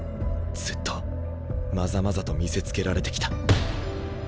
ずっとまざまざと見せつけられてきた。